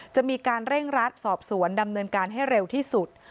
จะมีการเร่งรัดสอบสวนดำเนินการให้เร็วที่สุด